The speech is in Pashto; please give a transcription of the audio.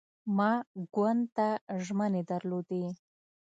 ما ګوند ته ژمنې درلودې.